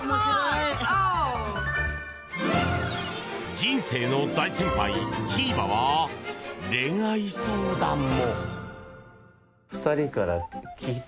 人生の大先輩、ひーばは恋愛相談も。